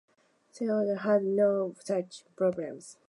Theobald had no such problems.